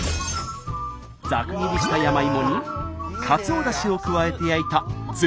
ざく切りした山芋にカツオだしを加えて焼いた絶品グルメ。